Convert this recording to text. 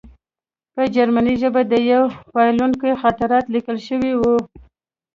په جرمني ژبه د یوه بایلونکي خاطرات لیکل شوي وو